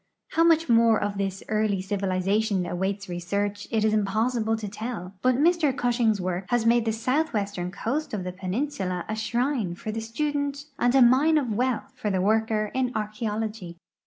How much more of this earlv civilization awaits research it is impossible to tell; but Mr Cushing's work has made the southwestern coast of the penin sula a shrine for the student and a mine of wealth for the worker in archeology.